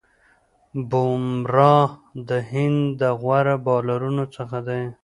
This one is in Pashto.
بومراه د هند د غوره بالرانو څخه دئ.